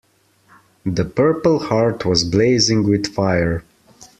The purple heart was blazing with fire.